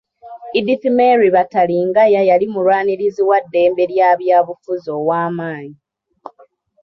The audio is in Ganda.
Edith Mary Bataringaya yali mulwanirizi wa ddembe lya byabufuzi ow'amaanyi